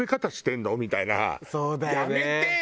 「やめてよ！